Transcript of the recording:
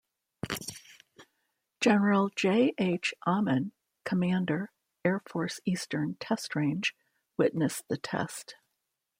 General J. H. Ahmann, Commander, Air Force Eastern Test Range, witnessed the test.